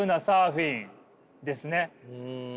うん。